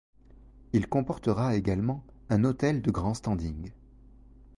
Il comportera également un hôtel de grand standing.